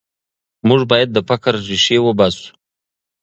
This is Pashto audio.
موږ باید د فقر ریښې وباسو.